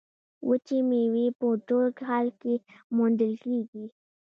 وچې میوې په ټول کال کې موندل کیږي.